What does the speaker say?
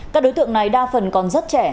các đối tượng này đa phần còn rất trẻ